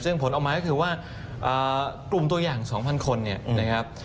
ซึ่งผลออกมาก็คือว่ากลุ่มตัวอย่าง๒๐๐คนเนี่ยนะครับ